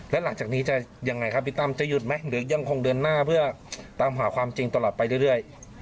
แล้วหลังจากนี้จะยังไงครับพี่ตั้มจะหยุดไหมหรือยังคงเดินหน้าเพื่อตามหาความจริงตลอดไปเรื่อย